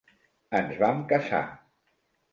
Ens vam casar.